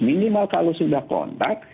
minimal kalau sudah kontak